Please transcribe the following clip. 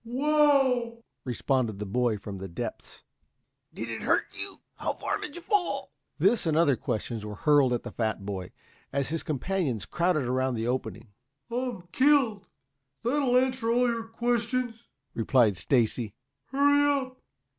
"Wow!" responded the boy from the depths. "Did it hurt you?" "How far did you fall?" This and other questions were hurled at the fat boy, as his companions crowded about the opening. "I'm killed. That'll answer all your questions," replied Stacy. "Hurry up!